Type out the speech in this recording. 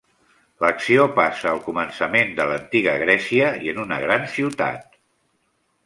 L'acció passa al començament de l'antiga Grècia i en una gran ciutat.